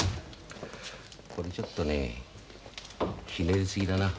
これちょっとねひねり過ぎだな。